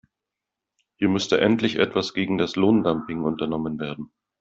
Hier müsste endlich etwas gegen das Lohndumping unternommen werden.